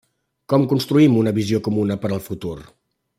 Com construïm una visió comuna per al futur?